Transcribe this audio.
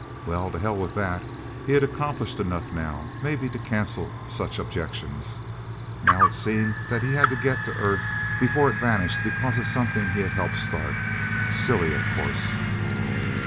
Well, to hell with that. He had accomplished enough, now, maybe, to cancel such objections. Now it seemed that he had to get to Earth before it vanished because of something he had helped start. Silly, of course...